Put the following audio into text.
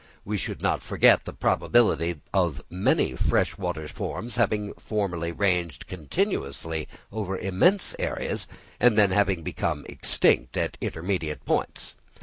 We should not forget the probability of many fresh water forms having formerly ranged continuously over immense areas, and then having become extinct at intermediate points.